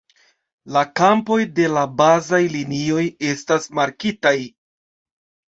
La kampoj de la bazaj linioj estas markitaj.